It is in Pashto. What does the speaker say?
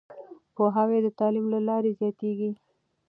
پوهاوی د تعليم له لارې زياتېږي.